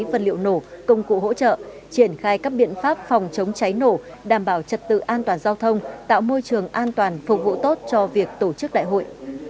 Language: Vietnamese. vật liệu nổ công cụ hỗ trợ triển khai các biện pháp phòng chống cháy nổ đảm bảo trật tự an toàn giao thông tạo môi trường an toàn phục vụ tốt cho việc tổ chức đại hội